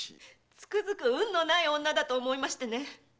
つくづく運のない女だと思いましてね。